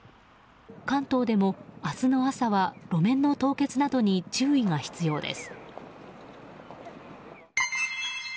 関東でも明日の朝は路面の凍結などに注意が必要です。